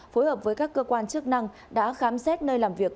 phối hợp với các cơ quan chức năng đã khám xét nơi làm việc